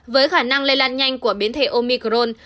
với khả năng lây lan nhanh của biến thể omicron